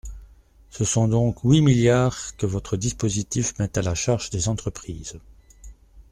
Ce sont donc huit milliards que votre dispositif met à la charge des entreprises.